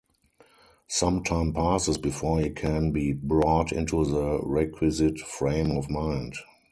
Some time passes before he can be brought into the requisite frame of mind.